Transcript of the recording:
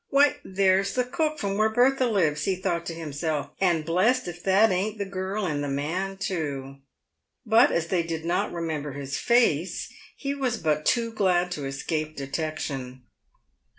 "Why, there's the cook from where Bertha lives," he thought to himself; " and blessed if that ain't the girl and the man too." But as they did not remember his face, he was but too glad to es cape detection.